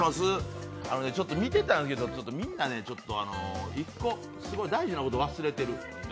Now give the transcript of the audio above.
見てたんだけどみんなちょっと１個すごい大事なこと忘れてる。